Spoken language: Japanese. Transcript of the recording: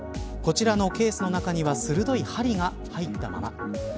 こちらのケースの中には鋭い針が入ったまま。